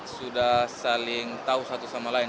sudah saling tahu satu sama lain